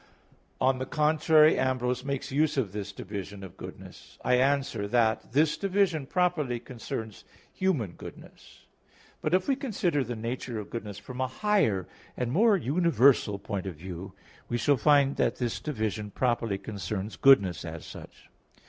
On the contrary, Ambrose makes use of this division of goodness (De Offic. i, 9) I answer that, This division properly concerns human goodness. But if we consider the nature of goodness from a higher and more universal point of view, we shall find that this division properly concerns goodness as such.